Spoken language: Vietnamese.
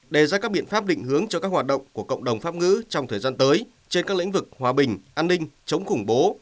đề ra các biện pháp định hướng cho các hoạt động của cộng đồng pháp ngữ trong thời gian tới trên các lĩnh vực hòa bình an ninh chống khủng bố